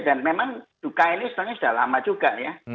dan memang duka ini setelahnya sudah lama juga